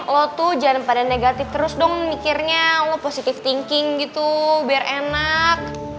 lo tuh jangan pada negatif terus dong mikirnya lo positive thinking gitu biar enak